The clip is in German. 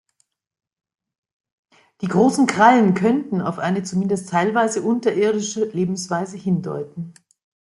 Die großen Krallen könnten auf eine zumindest teilweise unterirdische Lebensweise hindeuten.